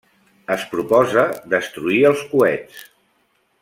Es proposa destruir els coets.